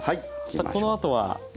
さあこのあとは。